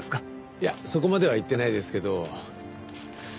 いやそこまでは言ってないですけど。